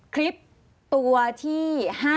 คลิปตัวที่๕๗